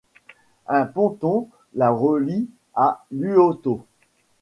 Un ponton la relie à Luoto.